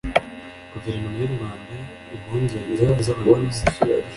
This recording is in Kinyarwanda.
guverinoma y'u rwanda impungenge z'abayobozi